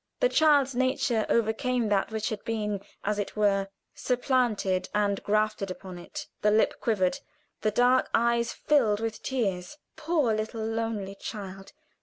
The child's nature overcame that which had been, as it were, supplanted and grafted upon it. The lip quivered, the dark eyes filled with tears. Poor little lonely child!